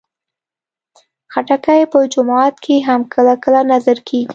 خټکی په جومات کې هم کله کله نذر کېږي.